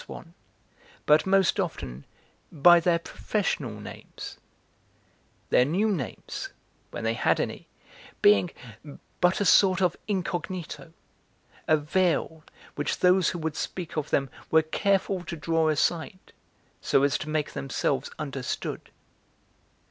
Swann, but most often by their professional names; their new names, when they had any, being but a sort of incognito, a veil which those who would speak of them were careful to draw aside, so as to make themselves understood.